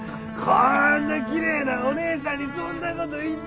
こんな奇麗なお姉さんにそんなこと言っちゃ。